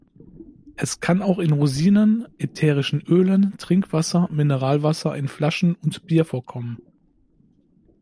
Es kann auch in Rosinen, ätherischen Ölen, Trinkwasser, Mineralwasser in Flaschen und Bier vorkommen.